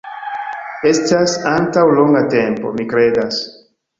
Estas antaŭ longa tempo, mi kredas